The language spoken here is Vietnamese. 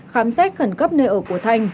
khám xét khẩn cấp nơi ở của thanh